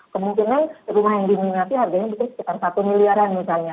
kemungkinan rumah yang diminati harganya mungkin sekitar satu miliaran misalnya